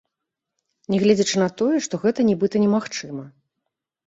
Нягледзячы на тое, што гэта нібыта немагчыма.